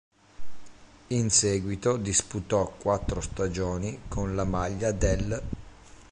In seguito disputò quattro stagioni con la maglia dell'.